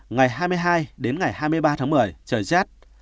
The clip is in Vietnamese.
ngày hai mươi hai đến ngày hai mươi ba tháng một mươi trời rét